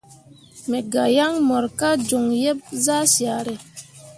Me ga yaŋ mor ka joŋ yeb zah syare.